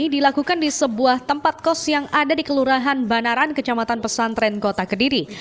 dilakukan di sebuah tempat kos yang ada di kelurahan banaran kecamatan pesantren kota kediri